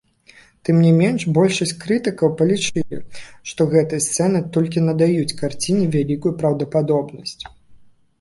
Тым не менш, большасць крытыкаў палічылі, што гэтыя сцэны толькі надаюць карціне вялікую праўдападобнасць.